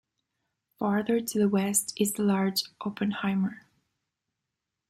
Farther to the west is the large Oppenheimer.